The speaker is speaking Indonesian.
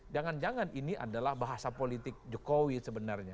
jangan jangan ini adalah bahasa politik jokowi sebenarnya